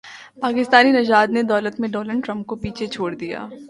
پاکستانی نژاد نے دولت میں ڈونلڈ ٹرمپ کو پیچھے چھوڑ دیا